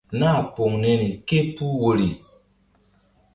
Nah poŋ niri ké puh woyri.